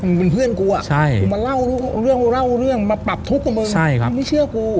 มึงเป็นเพื่อนกูอ่ะมาเล่าเรื่องมาปรับทุกข์กับมึงมึงไม่เชื่อกู